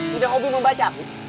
tidak hobi membacaku